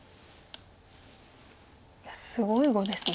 いやすごい碁ですね。